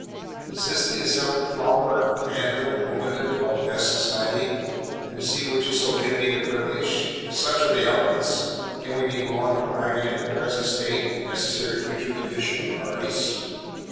Is this the assembled flower of manhood and womanhood, called "best society," and to see which is so envied a privilege? If such are the elements, can we be long in arriving at the present state, and necessary future condition of parties?